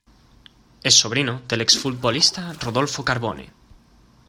Es sobrino del ex-futbolista Rodolfo Carbone.